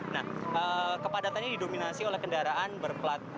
nah kepadatannya didominasi oleh kendaraan berplat